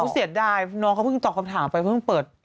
เขาเสียดายน้องเขาเพิ่งตอบคำถามไปเพิ่งเปิด